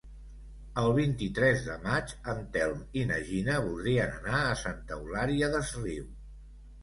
El vint-i-tres de maig en Telm i na Gina voldrien anar a Santa Eulària des Riu.